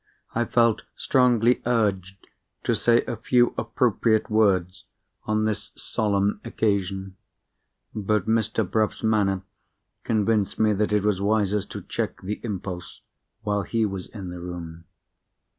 I felt strongly urged to say a few appropriate words on this solemn occasion. But Mr. Bruff's manner convinced me that it was wisest to check the impulse while he was in the room.